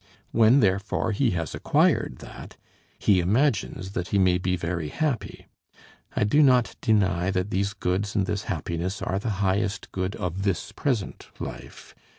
When therefore he has acquired that, he imagines that he may be very happy. I do not deny that these goods and this happiness are the highest good of this present life.